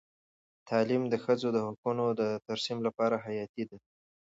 تعلیم د ښځو د حقونو د ترسیم لپاره حیاتي دی.